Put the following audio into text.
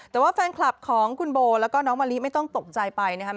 แต่ว่าแฟนคลับของคุณโบแล้วก็น้องมะลิไม่ต้องตกใจไปนะครับ